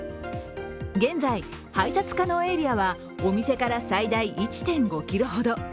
現在、配達可能エリアはお店から最大１．５ｋｍほど。